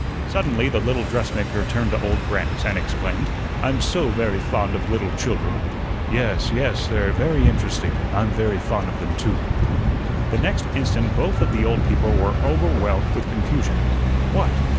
Suddenly the little dressmaker turned to Old Grannis and exclaimed: "I'm so very fond of little children." "Yes, yes, they're very interesting. I'm very fond of them, too." The next instant both of the old people were overwhelmed with confusion. What!